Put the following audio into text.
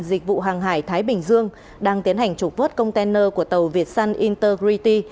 dịch vụ hàng hải thái bình dương đang tiến hành trục bước container của tàu việt sun integrity